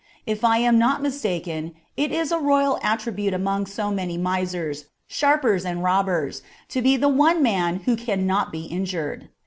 If I am not mistaken, it is a royal attribute among so many misers, sharpers, and robbers, to be the one man who cannot be injured.